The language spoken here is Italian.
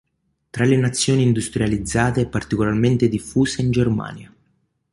Tra le nazioni industrializzate, è particolarmente diffusa in Germania.